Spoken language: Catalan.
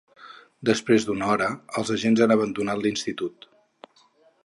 Després d’una hora, els agents han abandonat l’institut.